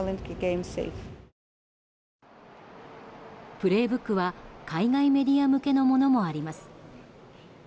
「プレイブック」は海外メディア向けのものもあります。